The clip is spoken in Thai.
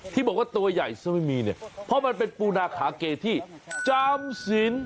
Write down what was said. ที่บอกว่าตัวใหญ่ซะไม่มีเนี่ยเพราะมันเป็นปูนาขาเกที่จามศิลป์